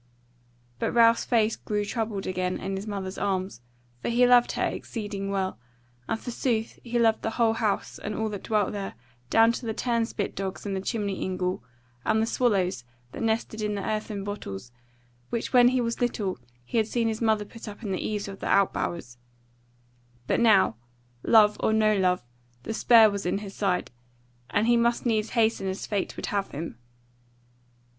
But Ralph's face grew troubled again in his mother's arms, for he loved her exceeding well; and forsooth he loved the whole house and all that dwelt there, down to the turnspit dogs in the chimney ingle, and the swallows that nested in the earthen bottles, which when he was little he had seen his mother put up in the eaves of the out bowers: but now, love or no love, the spur was in his side, and he must needs hasten as fate would have him.